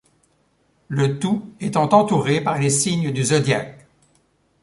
Le tout étant entouré par les signes du zodiaque.